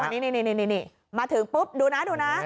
นี่ไปจังหวะนี้มาถึงปุ๊บดูนะ